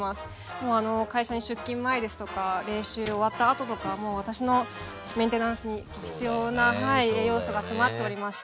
もう会社に出勤前ですとか練習終わったあととかもう私のメンテナンスに必要な栄養素が詰まっておりまして。